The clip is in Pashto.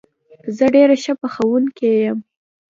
زه ډېره ښه پخوونکې یم